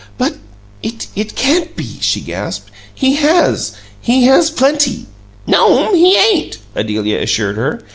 "But it can't BE!" she gasped. "He has! He has plenty!" "No'm, he 'ain't," Adelia assured her.